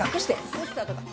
ポスターとか。